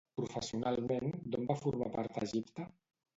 Professionalment, d'on va formar part a Egipte?